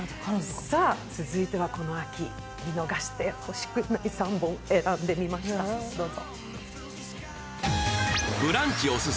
続いてはこの秋見逃してほしくない３本選んでみました、どうぞ。